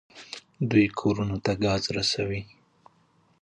دوی کورونو ته ګاز رسوي.